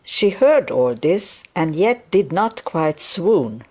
She heard all this and yet did not quite swoon.